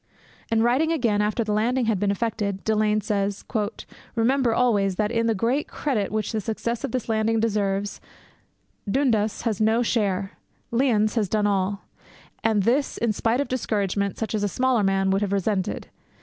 And, writing again after the landing had been effected, Delane says, 'Remember always, that, in the great credit which the success of this landing deserves, Dundas has no share. Lyons has done all, and this in spite of discouragement such as a smaller man would have resented.